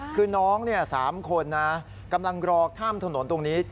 คือน้อง๓คนนะกำลังรอข้ามถนนตรงนี้